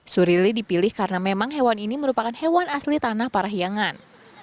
surili dipilih karena memang hewan ini merupakan hewan asli tanah parahyangan